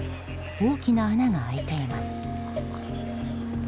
大きな穴が開いています。